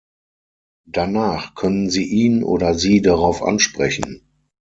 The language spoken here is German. Danach können Sie ihn oder sie darauf ansprechen.